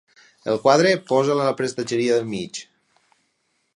El quadre, posi'l a la prestatgeria del mig.